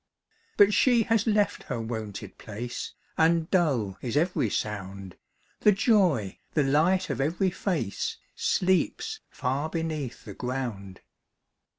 But she has left her wonted place, And dull is every sound, The joy, the light of every face, Sleeps far beneath the ground.